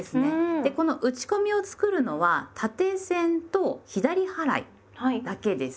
でこの打ち込みを作るのは縦線と左払いだけです。